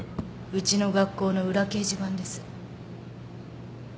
うちの学校の裏掲示板です。